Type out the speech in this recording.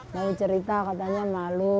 mau cerita katanya malu